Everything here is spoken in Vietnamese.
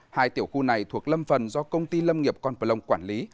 hai tiểu khu này thuộc lâm phần do công ty lâm nghiệp con p lông quản lý